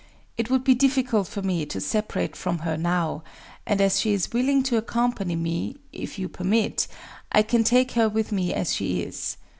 It would be difficult for me to separate from her now; and as she is willing to accompany me, if you permit, I can take her with me as she is.